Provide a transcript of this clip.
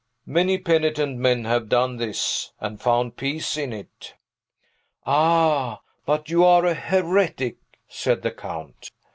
Many penitent men have done this, and found peace in it." "Ah, but you are a heretic!" said the Count.